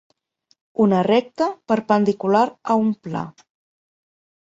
Una recta perpendicular a un pla.